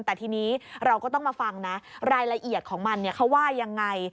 แต่ทีนี้เราก็ต้องมาฟังนะรายละเอียดของมันเขาว่ายังไง